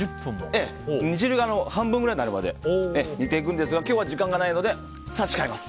煮汁が半分ぐらいになるまで煮ていくんですが今日は時間がないので差し替えます！